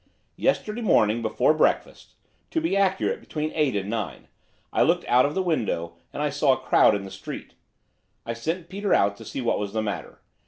Yesterday morning, before breakfast, to be accurate, between eight and nine, I looked out of the window, and I saw a crowd in the street. I sent Peter out to see what was the matter.